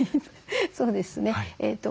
そうですね。